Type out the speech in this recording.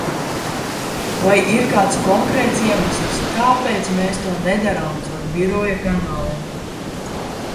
Vai ir kāds konkrēts iemesls, kāpēc mēs to nedarām caur biroja kanāliem?